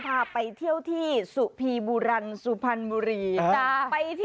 แล้วพี่ค้นใส